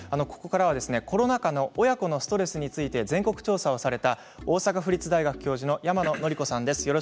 ここからはコロナ禍の親子のストレスについて全国調査をされた大阪府立大学教授の山野則子さんです。